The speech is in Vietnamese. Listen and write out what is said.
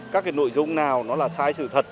các nội dung nào nó là sai sự thật